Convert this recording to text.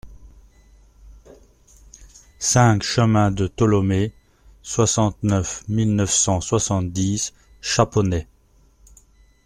cinq chemin de Tholomé, soixante-neuf mille neuf cent soixante-dix Chaponnay